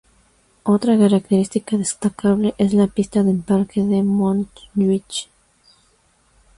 Otra característica destacable es la pista del Parque de Montjuich.